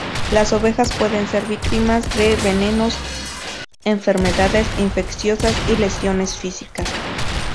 Las ovejas pueden ser víctimas de venenos, enfermedades infecciosas y lesiones físicas.